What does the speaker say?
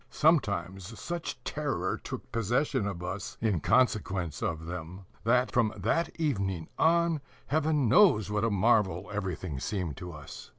Sometimes such terror took possession of us in consequence of them, that, from that evening on, Heaven knows what a marvel everything seemed to us.